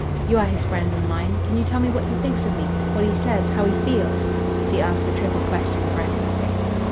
You are his friend and mine. Can you tell me what he thinks of me what he says how he feels?" She asked the triple question breathlessly.